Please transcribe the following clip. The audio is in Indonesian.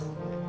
hanya lihat aja